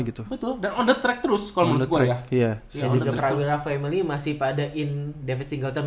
gitu betul dan on the track terus kalau menurut gue iya iya family masih pada in david singleton